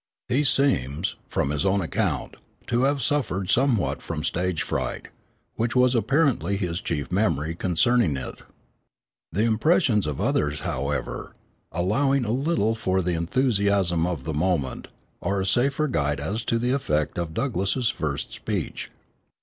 He seems, from his own account, to have suffered somewhat from stage fright, which was apparently his chief memory concerning it. The impressions of others, however, allowing a little for the enthusiasm of the moment, are a safer guide as to the effect of Douglass's first speech.